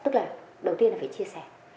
tức là đầu tiên là phải chia sẻ